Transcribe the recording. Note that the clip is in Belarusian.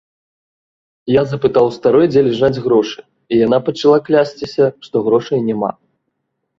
Я запытаў у старой, дзе ляжаць грошы, і яна пачала клясціся, што грошай няма.